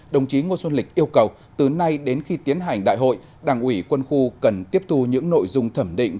đồng chí ngô xuân lịch yêu cầu từ nay đến khi tiến hành đại hội đảng ủy quân khu cần tiếp thu những nội dung thẩm định